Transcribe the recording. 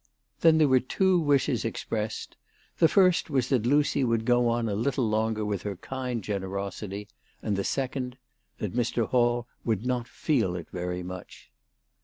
Then there were two wishes expressed ; the first was that Lucy would go on a little longer with her kind generosity, and the THE TELEGRAPH GIRL. 305 second, that Mr. Hall would not feel it very much.